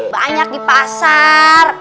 banyak di pasar